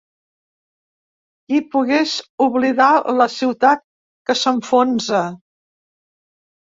Qui pogués oblidar la ciutat que s’enfonsa!